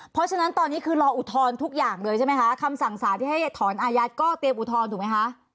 เพราะฉะนั้นตอนนี้คือรออุทธรณ์ทุกอย่างเลยใช่ไหมคะคำสั่งสารที่ให้ถอนอายัดก็เตรียมอุทธรณ์ถูกไหมคะ